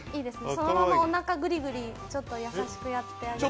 そのままおなかぐりぐりちょっと優しくやってください。